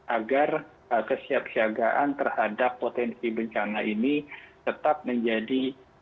agar kesiapsiagaan terhadap potensi bencana ini tetap menjadi